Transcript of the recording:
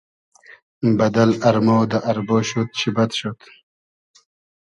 بئدئل ارمۉ دۂ اربۉ شود چی بئد شود